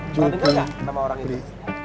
dengar gak nama orang itu